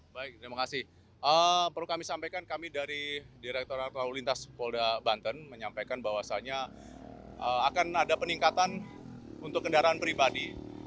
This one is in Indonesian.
baik terima kasih perlu kami sampaikan kami dari direkturat lalu lintas polda banten menyampaikan bahwasannya akan ada peningkatan untuk kendaraan pribadi